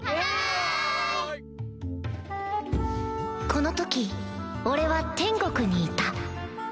この時俺は天国にいた